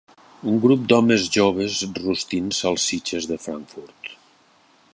Grup d'homes joves rostint salsitxes de Frankfurt.